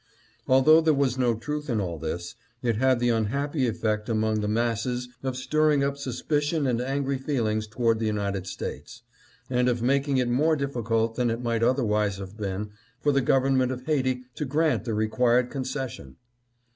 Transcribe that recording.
Although there was no truth in all this, it had the unhappy effect among the masses of stirring up suspicion and angry feelings towards the United States, and of making it more difficult than it might otherwise have been for the government of Haiti to grant the required conces sion.